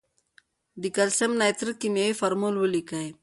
د کلسیم نایتریت کیمیاوي فورمول ولیکئ.